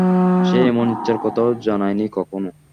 সে এমন ইচ্ছার কথাও জানায়নি কখনো।